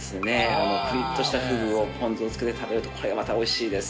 このプリッとしたフグをポン酢につけて食べるとこれまた美味しいです。